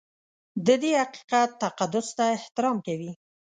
د دې حقیقت تقدس ته احترام کوي.